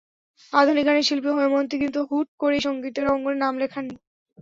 আধুনিক গানের শিল্পী হৈমন্তী কিন্তু হুট করেই সংগীতের অঙ্গনে নাম লেখাননি।